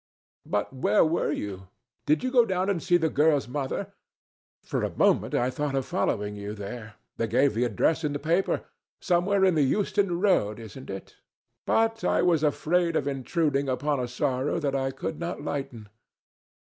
But where were you? Did you go down and see the girl's mother? For a moment I thought of following you there. They gave the address in the paper. Somewhere in the Euston Road, isn't it? But I was afraid of intruding upon a sorrow that I could not lighten.